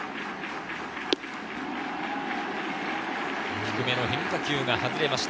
低めの変化球が外れました。